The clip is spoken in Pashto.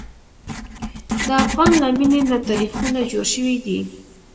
د افغان له مینې نه تاریخونه جوړ شوي دي.